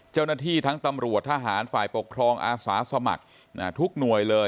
เจ้าหน้าที่ทั้งตำรวจทหารฝ่ายปกครองอาสาสมัครทุกหน่วยเลย